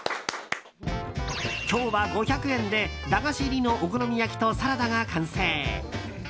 今日は５００円で駄菓子入りのお好み焼きとサラダが完成。